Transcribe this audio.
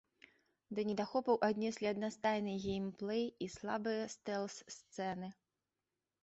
Да недахопаў аднеслі аднастайны геймплэй і слабыя стэлс-сцэны.